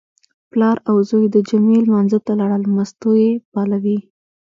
پلار او زوی د جمعې لمانځه ته لاړل، مستو یې پالوې.